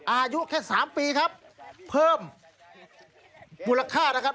อายุแค่๓ปีครับเพิ่มมูลค่านะครับ